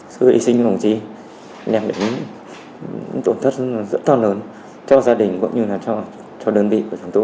sự hy sinh của đồng chí đem đến tổn thất rất to lớn cho gia đình cũng như là cho đơn vị của chúng tôi